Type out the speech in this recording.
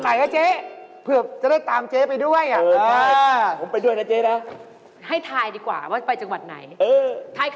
มึวงโหวงมังกร